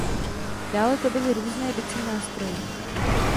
Dále to byly různé bicí nástroje.